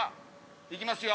いきますよ。